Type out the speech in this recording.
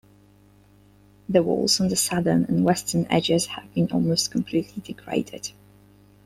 The walls on the southern and western edges have been almost completely degraded.